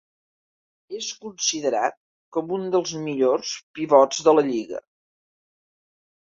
És considerat com un dels millors pivots de la lliga.